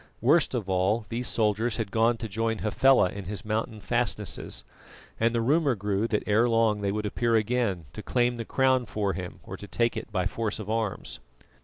Worst of all, these soldiers had gone to join Hafela in his mountain fastnesses; and the rumour grew that ere long they would appear again, to claim the crown for him or to take it by force of arms.